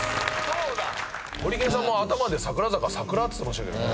ホリケンさんも頭で「桜坂」「桜」っつってましたけどね。